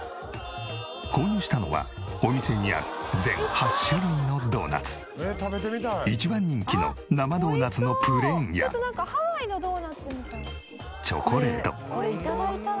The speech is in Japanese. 購入したのはお店にある一番人気の生ドーナツのプレーンやチョコレート。